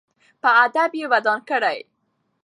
په ادب یې ودان کړئ.